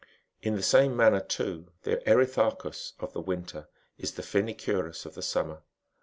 *'^^ In the same manner, too, the erithacus^^ of the winter is the phoenicurus " of the summer.